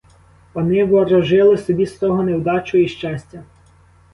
Пани ворожили собі з того невдачу і нещастя.